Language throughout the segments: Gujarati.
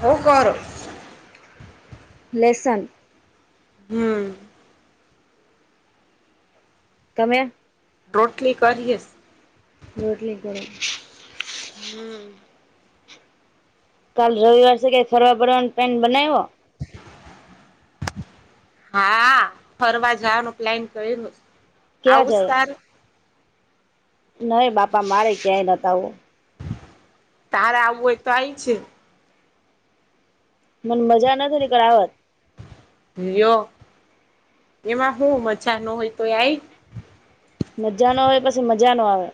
હો કરો લેસન હમ. તમે? રોટલી કરીએ. રોટલી કરો. હમ. કાલ રવિવાર કઈ ફરવા બરવાનું પ્લેન બનાવ્યો? [inaudible] હા ફરવા જવાનું પ્લાન કર્યો ક્યાં આવું છે તાર? નહી બાપા મારે ક્યાંય નથી આવું. તારે આવવું હોય તો આય છે. મને મજા નથી નીકળ આવત. યો એમાં હું મજા ન હોય તો આય મજા નો હોય પછી મજા નો આવે.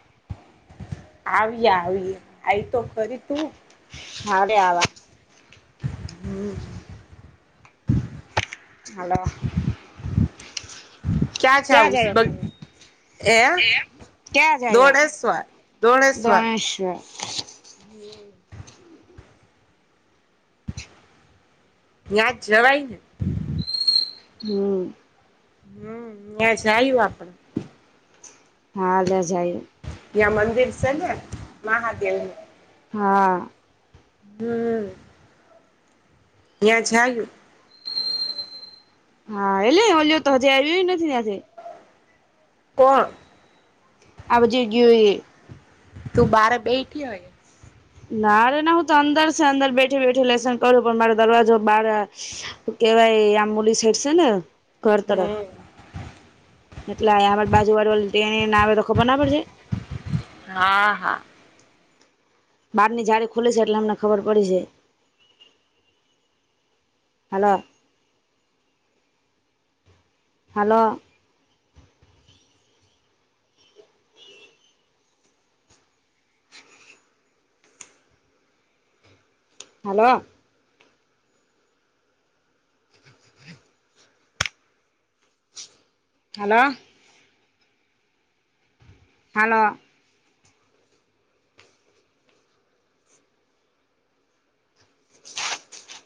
આવીએ આવી આય તો કરી તું. હારે આવા. હમ. હાલો. ક્યાં જાઉશે. જાયો ફરવા એ ક્યાં જાયો દોડેશ્વર, દોડેશ્વર. દોણેશ્વર હમ. ત્યાં જવાય ને. હમમ. હમમ મેં જયું આપડે. હા લે જાય. યા મંદિર છે ને મહાદેવ. હા. હમ. [unintelligible] હા એટલે ઓલયો તો હજી આવ્યો નથી [unintelligible] કોણ? આવજે ગીયો એ તો બાર જ બેઠી હોય એ. ના રે ના હું તો અંદર છે અંદર બેઠી બેઠી લેશને કરું પણ મારો દરવાજો બાર અ કેવાય આમોલી સીટ છે ને ઘર તરફ હમ એટલે આમા બાજુ વાળ એ ના આવે તો ખબર ના પડે. હા હા. બારની જાડી ખુલી જાય એટલે અમને ખબર પડી જાય. Hello. Hello. Hello. Hello. Hello. [inaudible]